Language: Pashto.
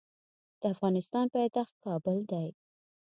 د افغانستان پایتخت کابل دی.